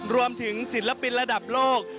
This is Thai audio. รวมถึงศิลปินระดับโลก